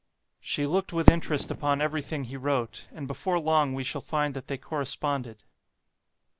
She looked with interest upon everything he wrote; and before long we shall find that they corresponded.